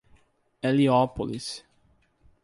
Heliópolis